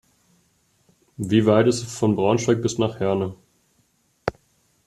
Wie weit ist es von Braunschweig bis nach Herne?